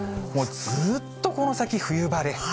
ずっとこの先、冬晴れ。